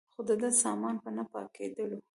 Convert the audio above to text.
خو دده سامان به نه پاکېدلو.